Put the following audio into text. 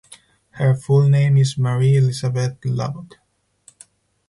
Her full name is Marie Elizabeth Lubbock.